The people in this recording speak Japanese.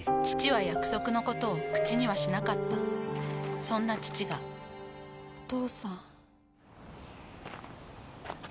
父は約束のことを口にはしなかったそんな父がお父さん。